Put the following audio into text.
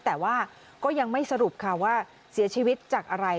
แต่ว่าก็ยังไม่สรุปค่ะว่าเสียชีวิตจากอะไร